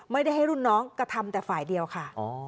ไม่ได้ให้รุ่นน้องกระทำแต่ฝ่ายเดียวค่ะ